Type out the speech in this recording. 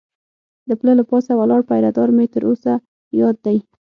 د پله له پاسه ولاړ پیره دار مې تر اوسه یاد دی.